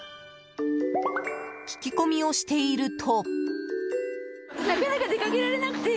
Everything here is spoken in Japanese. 聞き込みをしていると。